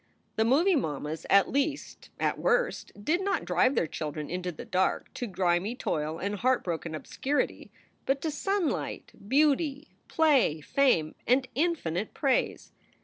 The movie mammas, at least, at worst, did not drive their children into the dark, to grimy toil and heartbroken obscurity, but to sunlight, beauty, play, fame, and infinite praise.